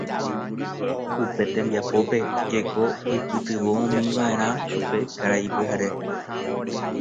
Upe tembiapópe jeko oipytyvõmiva'erã chupe Karai Pyhare.